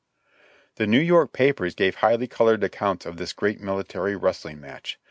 The New York papers gave highly colored accounts of this great miilitary wrestling match.